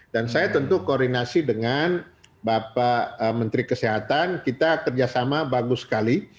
dan saya tentu koordinasi dengan bapak menteri kesehatan kita kerjasama bagus sekali